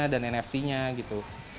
dan nft nya gitu